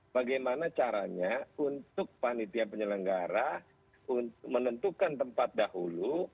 bagaimana caranya untuk panitia penyelenggara menentukan tempat dahulu